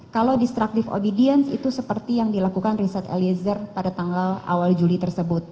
kalau destructive obedience itu seperti yang dilakukan richard eliezer pada tanggal awal juli tersebut